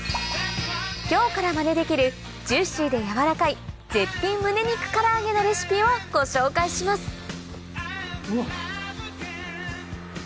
今日からマネできるジューシーでやわらかい絶品むね肉から揚げのレシピをご紹介します